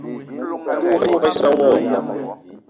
O te ouok issa wo?